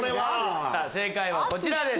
正解はこちらです。